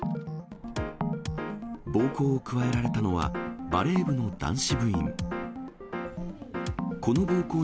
暴行を加えられたのは、バレー部の男子部員。